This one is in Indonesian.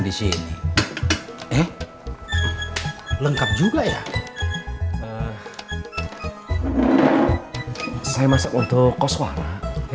di sini eh lengkap juga ya saya masuk untuk koswara